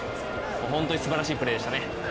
本当にすばらしいプレーでしたね。